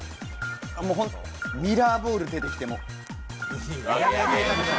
ミラーボール出てきて、もう。